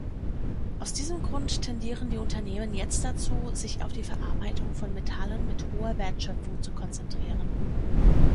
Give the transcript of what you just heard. Aus diesem Grund tendieren die Unternehmen jetzt dazu, sich auf die Verarbeitung von Metallen mit hoher Wertschöpfung zu konzentrieren.